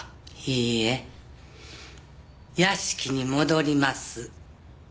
いいえ屋敷に戻ります。